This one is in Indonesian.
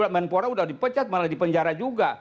menpora udah dipecat malah dipenjara juga